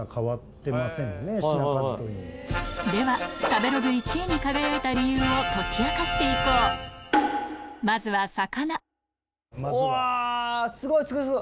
では食べログ１位に輝いた理由を解き明かしていこうまずは魚うわぁスゴいスゴい！